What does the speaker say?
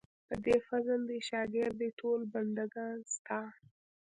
په دې فضل دې شاګر دي ټول بندګان ستا.